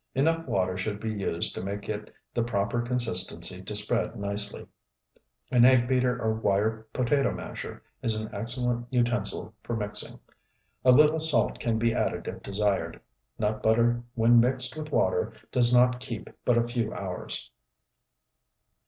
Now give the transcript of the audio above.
Enough water should be used to make it the proper consistency to spread nicely. An egg beater or wire potato masher is an excellent utensil for mixing. A little salt can be added if desired. Nut butter when mixed with water does not keep but a few hours.